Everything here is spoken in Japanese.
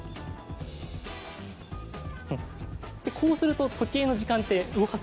こうすると時計の時間って動かせますよね。